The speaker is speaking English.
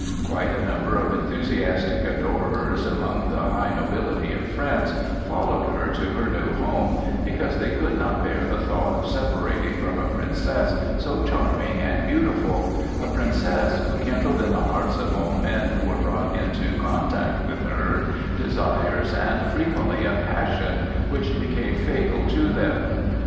Quite a number of enthusiastic adorers among the high nobility of France followed her to her new home, because they could not bear the thought of separating from a princess so charming and beautiful,—a princess who kindled in the hearts of all men who were brought into contact with her, desires and frequently a passion which became fatal to them.